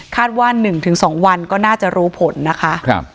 ว่า๑๒วันก็น่าจะรู้ผลนะคะ